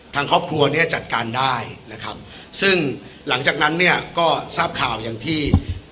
ทางครอบครัวเนี้ยจัดการได้นะครับซึ่งหลังจากนั้นเนี่ยก็ทราบข่าวอย่างที่